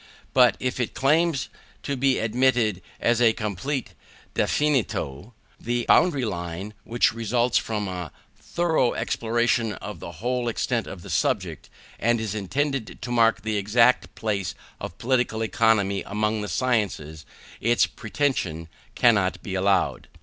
But if it claims to be admitted as that complete definitio or boundary line, which results from a thorough exploring of the whole extent of the subject, and is intended to mark the exact place of Political Economy among the sciences, its pretension cannot be allowed.